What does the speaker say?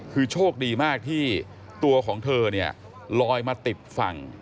คือโชคดีมากที่ตัวของเธอเนี่ยลอยมาติดฝั่ง